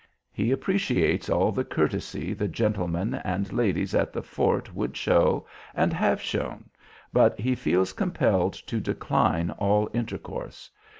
He appreciates all the courtesy the gentlemen and ladies at the fort would show, and have shown, but he feels compelled to decline all intercourse.